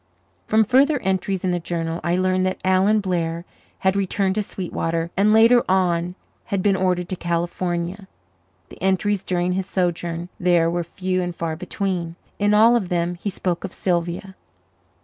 From further entries in the journal I learned that Alan Blair had returned to Sweetwater and later on had been ordered to California. The entries during his sojourn there were few and far between. In all of them he spoke of Sylvia.